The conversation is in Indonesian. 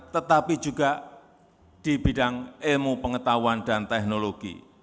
tetapi juga di bidang ilmu pengetahuan dan teknologi